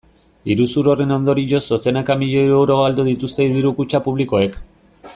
Iruzur horren ondorioz dozenaka milioi euro galdu dituzte diru-kutxa publikoek.